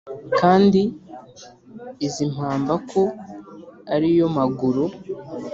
kandi izi mpamba ko ari yo maguru